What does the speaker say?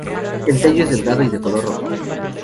El tallo es delgado y de color rojo.